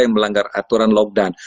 yang melanggar aturan lockdown